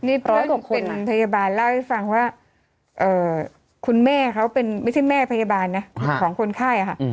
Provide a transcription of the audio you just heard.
นี่เพราะว่าเป็นพยาบาลเล่าให้ฟังว่าคุณแม่เขาเป็นไม่ใช่แม่พยาบาลนะของคนไข้ค่ะ